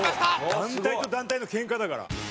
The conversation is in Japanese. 団体と団体のけんかだから。